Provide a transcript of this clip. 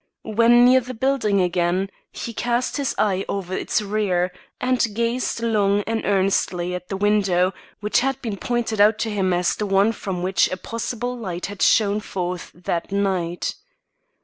When near the building again, he cast his eye over its rear, and gazed long and earnestly at the window which had been pointed out to him as the one from which a possible light had shone forth that night.